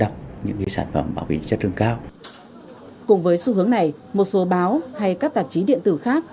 cùng với xu hướng này một số báo hay các tạp chí điện tử khác